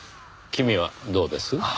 君はどうです？